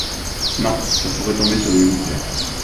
Non… ça pourrait tomber sur des militaires.